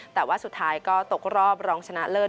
แต่ว่าสุดท้ายก็ตกรอบรองชนะเลิศ